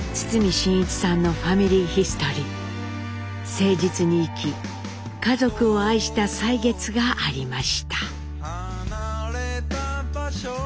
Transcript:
誠実に生き家族を愛した歳月がありました。